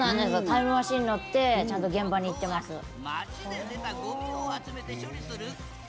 タイムマシンに乗ってちゃんと現場に行ってます。